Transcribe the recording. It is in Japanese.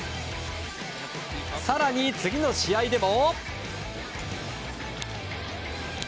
更に、次の試合でも。